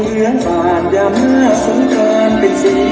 ขออยู่ในฮอนเกะมีเสียวหักเสียวแทง